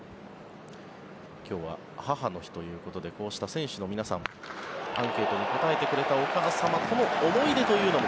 今日は母の日ということでこうした選手の皆さんアンケートに答えてくれたお母様との思い出というのも